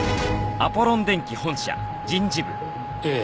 ええ。